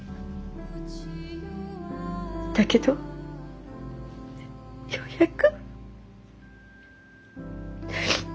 だけどようやく。